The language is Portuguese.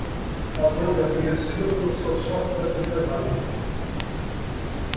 Adobe é conhecida por seu software de design.